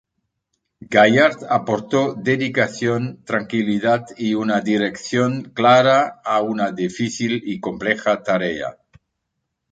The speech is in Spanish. Gaillard aportó dedicación, tranquilidad y una dirección clara a una difícil y compleja tarea.